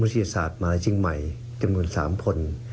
นักศึกษางาวิทยาลัยเชียงใหม่จำกวน๓คน